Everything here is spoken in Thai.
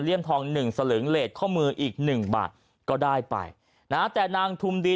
เลี่ยมทอง๑สลึงเลสข้อมืออีก๑บาทก็ได้ไปนะแต่นางทุมดี